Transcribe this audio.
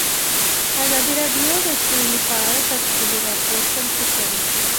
ازادي راډیو د سوله په اړه تفصیلي راپور چمتو کړی.